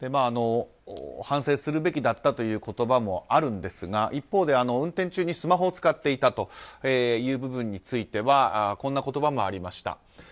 反省するべきだったという言葉もあるんですが一方で、運転中にスマホを使っていたという部分についてはこんな言葉もありました。